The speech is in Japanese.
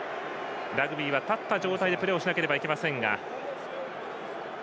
ラグビーは立った状態でプレーをしなければいけません。